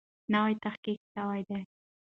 نوی تحقیق سوی دی.